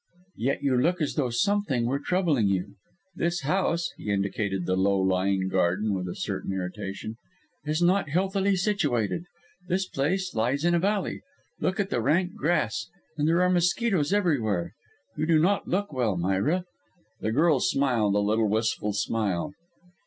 "Yet you look as though something were troubling you. This house" he indicated the low lying garden with a certain irritation "is not healthily situated. This place lies in a valley; look at the rank grass and there are mosquitoes everywhere. You do not look well, Myra." The girl smiled a little wistful smile.